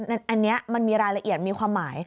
อันนี้มันมีรายละเอียดมีความหมาย